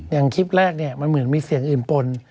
อย่างคลิปแรกเนี่ยมันเหมือนมีเสียงอื่นปน